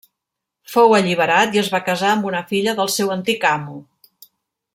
Fou alliberat i es va casar amb una filla del seu antic amo.